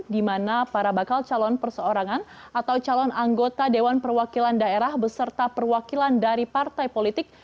di mana para bakal calon perseorangan atau calon anggota dewan perwakilan daerah beserta perwakilan dari partai politik